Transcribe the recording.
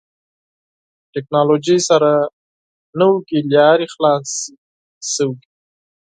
ټکنالوژي سره نوې لارې خلاصې شوې.